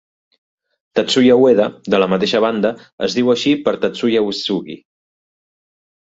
Tatsuya Ueda, de la mateixa banda, es diu així per Tatsuya Uesugi.